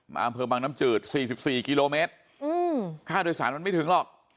อำเภอบังน้ำจืด๔๔กิโลเมตรค่าโดยสารมันไม่ถึงหรอก